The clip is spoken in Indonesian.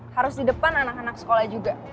harus di depan anak anak sekolah juga